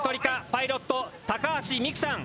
パイロット高橋実来さん。